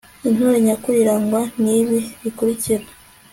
intore nyakuri irangwa n'ibi bikurikira